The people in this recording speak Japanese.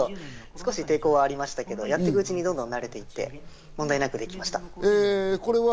少し抵抗はありましたけど、やっているうちにどんどん慣れてきて大丈夫になりました。